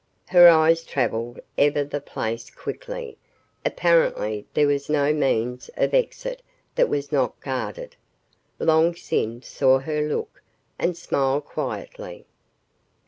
Her eyes travelled ever the place quickly. Apparently, there was no means of exit that was not guarded. Long Sin saw her look, and smiled quietly.